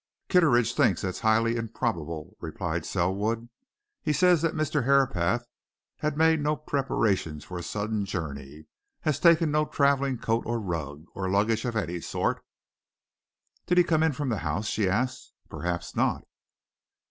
"Kitteridge thinks that highly improbable," replied Selwood. "He says that Mr. Herapath had made no preparation for a sudden journey, has taken no travelling coat or rug, or luggage of any sort." "Did he come in from the House?" she asked. "Perhaps not?"